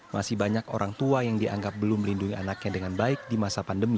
masih banyak orang tua yang dianggap belum melindungi anaknya dengan baik di masa pandemi